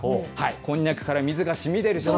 こんにゃくから水がしみ出る。